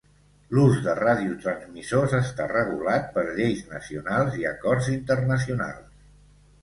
L'ús de radiotransmissors està regulat per lleis nacionals i acords internacionals.